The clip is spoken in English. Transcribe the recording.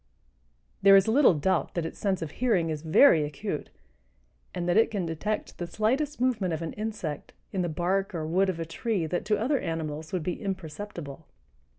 There is little doubt that its sense of hearing is very acute and that it can detect the slightest movement of an insect in the bark or wood of a tree that to other animals would be imperceptible.